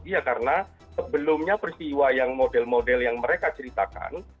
iya karena sebelumnya peristiwa yang model model yang mereka ceritakan